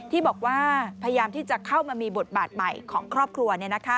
ที่บอกว่าพยายามที่จะเข้ามามีบทบาทใหม่ของครอบครัว